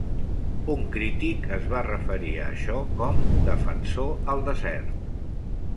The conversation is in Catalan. Un crític es va referir a això com "Defensor al desert".